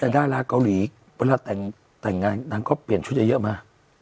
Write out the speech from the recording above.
แต่ดาราเกาหลีเวลาแต่งงานนางก็เปลี่ยนชุดเยอะมา